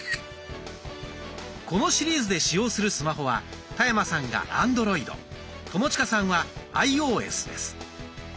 このシリーズで使用するスマホは田山さんがアンドロイド友近さんはアイオーエスです。